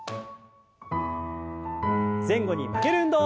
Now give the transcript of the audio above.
前後に曲げる運動。